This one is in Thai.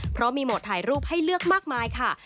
เพราะมีโหมดถ่ายรูปให้เลือกมากมายค่ะ